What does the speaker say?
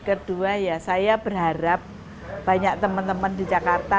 kedua ya saya berharap banyak teman teman di jakarta